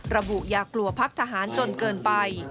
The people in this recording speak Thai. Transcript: อย่ากลัวพักทหารจนเกินไป